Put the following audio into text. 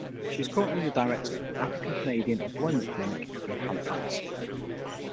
She is currently the director of the African-Canadian Employment Clinic in Halifax.